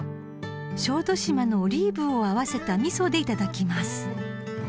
［小豆島のオリーブを合わせた味噌でいただきます］